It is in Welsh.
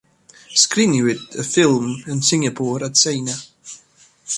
Sgriniwyd y ffilm yn Singapore a Tsieina.